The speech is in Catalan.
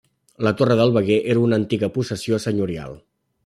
La torre del Veguer era una antiga possessió senyorial.